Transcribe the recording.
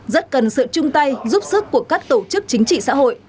rất cần sự chung tay giúp sức của các tổ chức chính trị xã hội